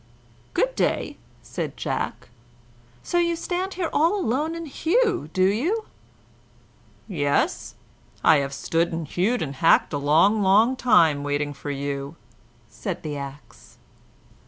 "Good day!" said Jack. "So you stand here all alone and hew, do you?" "Yes; here I've stood and hewed and hacked a long, long time, waiting for you," said the Axe.